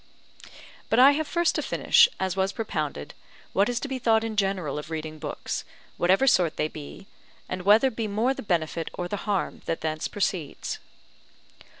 But I have first to finish, as was propounded, what is to be thought in general of reading books, whatever sort they be, and whether be more the benefit or the harm that thence proceeds.